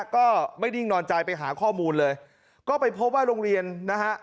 ก็ไม่นิ่งนอนใจไปหาข้อมูลเลยก็ไปพบว่าโรงเรียนนะฮะ